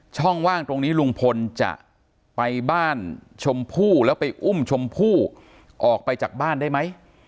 ว่างตรงนี้ลุงพลจะไปบ้านชมพู่แล้วไปอุ้มชมพู่ออกไปจากบ้านได้ไหม